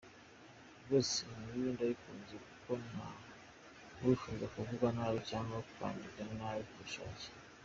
Rwose iyi nkuru ndayikunze, kuko nta wifuza kuvuga nabi cg kwandika nabi ku bushake.